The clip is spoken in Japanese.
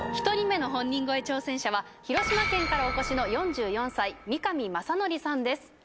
１人目の本人超え挑戦者は広島県からお越しの４４歳三上雅則さんです。